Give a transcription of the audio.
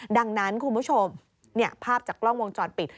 ดังนั้นคุณผู้ชมภาพจากกล้องวงจรปิด